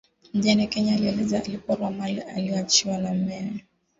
Mjane Kenya aeleza alivyoporwa mali iliyoachiwa na mumewe